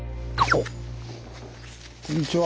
・あっこんにちは。